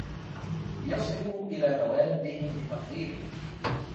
لِيَصِلُوا إلَى مَوَادِّهِمْ بِتَقْدِيرِهِ